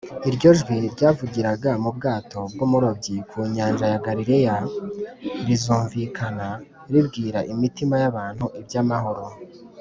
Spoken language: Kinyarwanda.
iryo jwi ryavugiraga mu bwato bw’umurobyi ku nyanja ya galileya rizumvikana ribwira imitima y’abantu iby’amahoro